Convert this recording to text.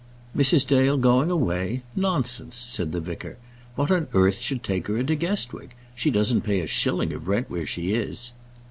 "Mrs. Dale going away; nonsense!" said the vicar. "What on earth should take her into Guestwick? She doesn't pay a shilling of rent where she is."